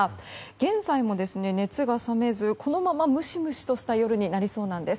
現在も、熱が冷めずこのままムシムシした夜になりそうです。